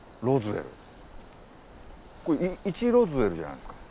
これ１ロズウェルじゃないですか。